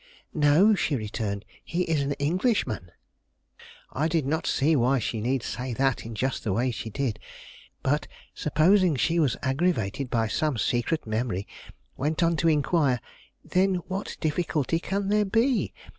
"No," she returned; "he is an Englishman." I did not see why she need say that in just the way she did, but, supposing she was aggravated by some secret memory, went on to inquire: "Then what difficulty can there be?